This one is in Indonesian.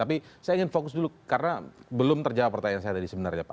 tapi saya ingin fokus dulu karena belum terjawab pertanyaan saya tadi sebenarnya pak